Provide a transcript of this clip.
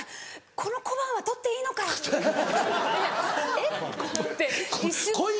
「この小判は取っていいのか⁉よぉ！」とか言うて。